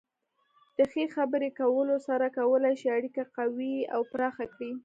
د ښې خبرې کولو سره کولی شئ اړیکه قوي او پراخه کړئ.